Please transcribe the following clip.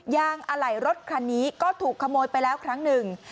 งอะไหล่รถคันนี้ก็ถูกขโมยไปแล้วครั้งหนึ่ง